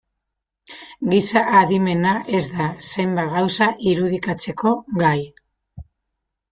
Giza adimena ez da zenbait gauza irudikatzeko gai.